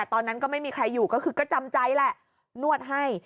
ตอนนั้นก็ไม่มีใครอยู่ก็คือก็จำใจแหละนวดให้